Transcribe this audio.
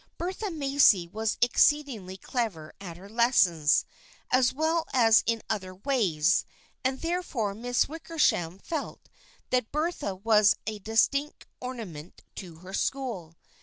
Bertha Macy was exceedingly clever at her lessons, as well as in other ways, and therefore Miss Wickersham felt that Bertha was a distinct ornament to her school.